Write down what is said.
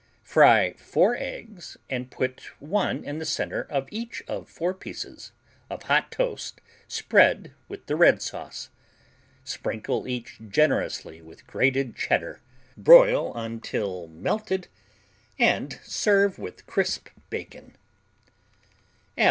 Fry 4 eggs and put one in the center of each of 4 pieces of hot toast spread with the red sauce. Sprinkle each generously with grated Cheddar, broil until melted and serve with crisp bacon.